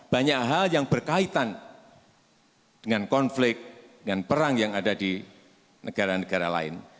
banyak hal yang berkaitan dengan konflik dengan perang yang ada di negara negara lain